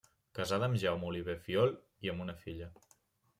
Casada amb Jaume Oliver Fiol, i amb una filla.